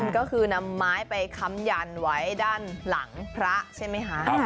ก็คือนำไม้ไปค้ำยันไว้ด้านหลังพระใช่ไหมคะ